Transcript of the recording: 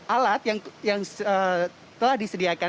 alat yang telah disediakan